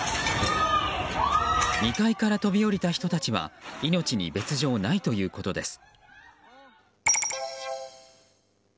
２階から飛び降りた人たちは命に別条ないということです。